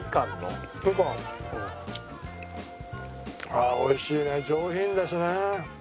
ああ美味しいね上品ですね。